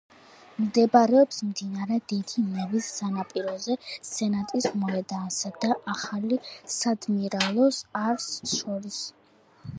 მდებარეობს მდინარე დიდი ნევის სანაპიროზე სენატის მოედანსა და ახალი საადმირალოს არს შორის.